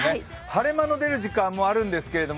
晴れ間の出る時間もあるんですけど